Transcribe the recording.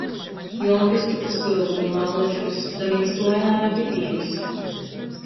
Jolanta izkrota spylvynu nu naulačkys, damīdz tū Aināram pi pīris.